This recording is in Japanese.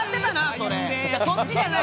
そっちじゃない！